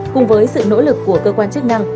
cùng với sự nỗ lực của cơ quan chức năng